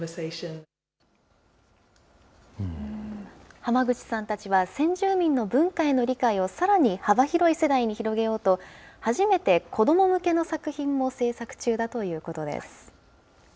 ハマグチさんたちは、先住民の文化への理解をさらに幅広い世代に広げようと、初めて子ども向けの作品も制作中だということです。